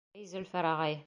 Эй, Зөлфәр ағай!